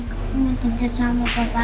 aku mau tidur sama papa